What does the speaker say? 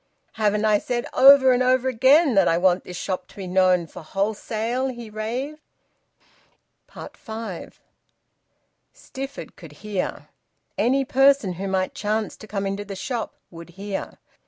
Haven't I said over and over again that I want this shop to be known for wholesale?" He raved. FIVE. Stifford could hear. Any person who might chance to come into the shop would hear.